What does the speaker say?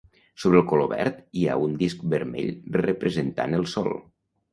Sobre el color verd hi ha un disc vermell representant el sol.